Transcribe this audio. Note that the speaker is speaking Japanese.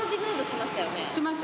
しましたよ。